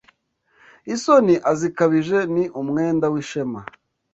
Isoni azikabije ni umwenda w'ishema